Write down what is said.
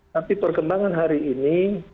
tapi perkembangan hari ini